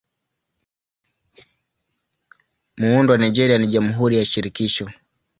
Muundo wa Nigeria ni Jamhuri ya Shirikisho.